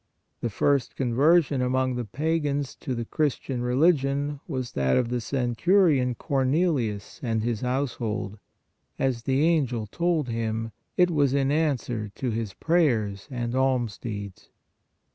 The first conversion among the pagans to the Christian religion was that of the centurion Cornelius and his household, as the angel told him ; it was in answer to his prayers and alms deeds.